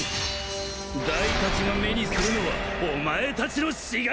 ダイたちが目にするのはお前たちの死骸だ！